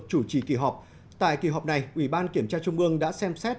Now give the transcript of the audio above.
chủ trì kỳ họp tại kỳ họp này ủy ban kiểm tra trung ương đã xem xét